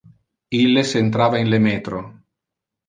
Illes entrava in le metro.